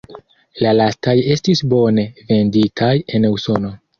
La lastaj estis bone venditaj en Usono.